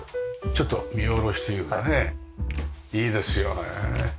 ちょっと見下ろしというかねいいですよね。